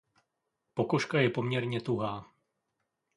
Pokožka je poměrně tuhá.